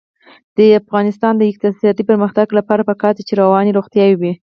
د افغانستان د اقتصادي پرمختګ لپاره پکار ده چې رواني روغتیا وي.